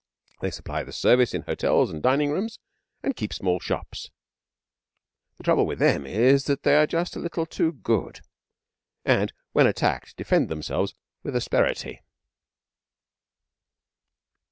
They supply the service in hotels and dining rooms and keep small shops. The trouble with them is that they are just a little too good, and when attacked defend themselves with asperity.